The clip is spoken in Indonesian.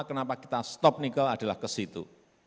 kenapa kita stop nikel adalah ke situ